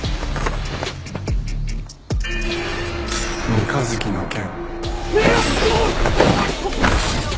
三日月の剣。